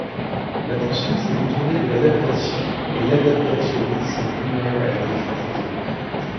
L'attention s'est détournée de l'adaptation et l'adaptationnisme lui-même a été critiqué.